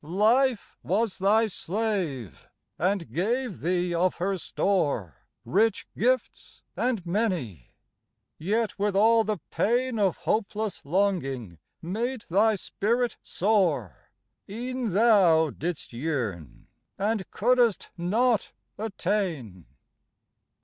Life was thy slave, and gave thee of her store Rich gifts and many, yet with all the pain Of hopeless longing made thy spirit sore, E'en thou didst yearn, and couldest not attain.